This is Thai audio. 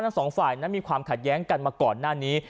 ทั้งสองฝ่ายนั้นมีความขัดแย้งกันมาก่อนหน้านี้